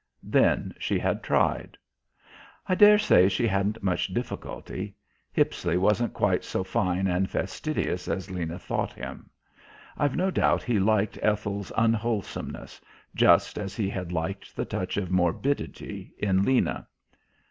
Then she had tried. I daresay she hadn't much difficulty. Hippisley wasn't quite so fine and fastidious as Lena thought him. I've no doubt he liked Ethel's unwholesomeness, just as he had liked the touch of morbidity in Lena.